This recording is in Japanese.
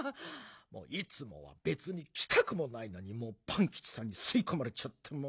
いつもはべつにきたくもないのにパンキチさんにすいこまれちゃって。